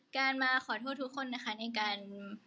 การมาขอโทษทุกคนนะคะในการ